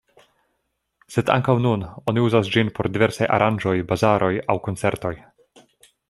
Sed ankaŭ nun oni uzas ĝin por diversaj aranĝoj, bazaroj aŭ koncertoj.